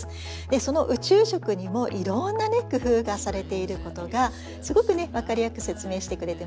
その宇宙食にもいろんな工夫がされていることがすごく分かりやすく説明してくれてますよね。